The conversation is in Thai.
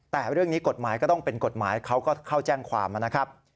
แต่เรื่องนี้กฎหมายก็ต้องเป็นกฎหมายเขาก็เข้าแจ้งความนะครับ